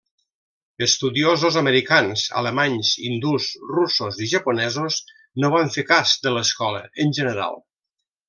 Estudiosos americans, alemanys, hindús, russos i japonesos no van fer cas de l'escola, en general.